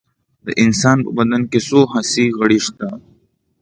د انسان په بدن کې څو حسي غړي شته